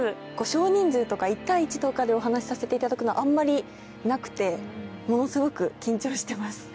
少人数とか１対１とかでお話しさせていただくのはあんまりなくてものすごく緊張してます。